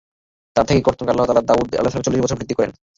তার থেকে কর্তন করে আল্লাহ তাআলা দাউদ-এর আয়ু চল্লিশ বছর বৃদ্ধি করেন।